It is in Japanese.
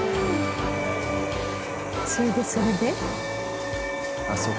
それでそれで？